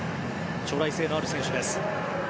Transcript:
将来性のある選手です。